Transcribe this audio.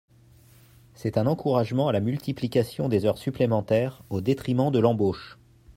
C’est un encouragement à la multiplication des heures supplémentaires au détriment de l’embauche.